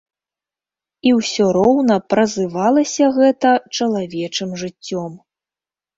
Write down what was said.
І ўсё роўна празывалася гэта чалавечым жыццём.